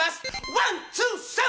ワンツー３！